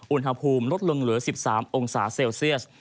อุณหภูมิลดลงเหลือ๑๓องศาเซลเซียส